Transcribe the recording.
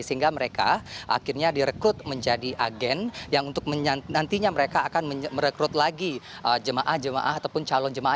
sehingga mereka akhirnya direkrut menjadi agen yang untuk nantinya mereka akan merekrut lagi jemaah jemaah ataupun calon jemaah